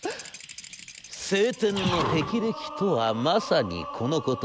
青天の霹靂とはまさにこのこと。